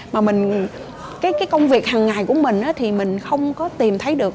mà mình cái công việc hằng ngày của mình thì mình không có tìm thấy được